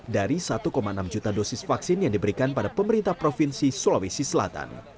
dari satu enam juta dosis vaksin yang diberikan pada pemerintah provinsi sulawesi selatan